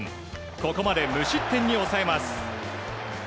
ここまで無失点に抑えます。